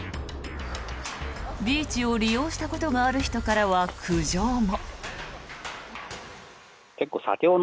ビーチを利用したことがある人からは苦情も。